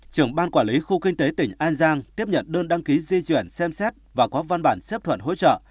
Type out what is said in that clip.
trưởng ban quản lý khu kinh tế tỉnh an giang tiếp nhận đơn đăng ký di chuyển xem xét và có văn bản chấp thuận hỗ trợ